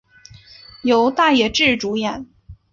由大野智主演。